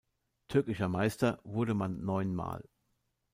Türkischer Meister wurde man neun Mal.